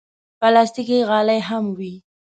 پلاستيکي غالۍ هم وي.